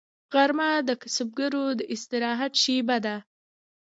غرمه د کسبګرو د استراحت شیبه ده